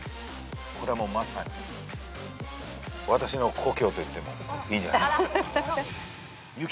これはもうまさに私の故郷と言ってもいいんじゃないでしょうか。